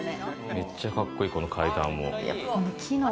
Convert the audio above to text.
めっちゃカッコいい、この階段も。